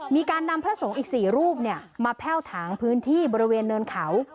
มีการนำพระสงฆ์อีก๔รูปมาแพ่วถางพื้นที่บริเวณเนินเขา